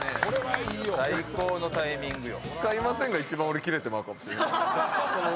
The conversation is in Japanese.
最高のタイミングよ。